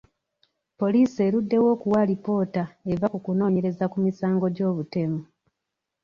Poliisi eruddewo okuwa alipoota eva ku kunoonyereza ku misango gy'obutemu.